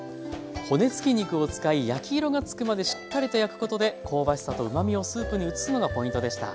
骨付き肉を使い焼き色がつくまでしっかりと焼くことで香ばしさとうまみをスープに移すのがポイントでした。